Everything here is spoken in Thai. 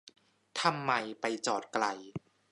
ทำไมไปจอดไกล